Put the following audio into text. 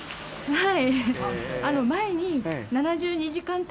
はい。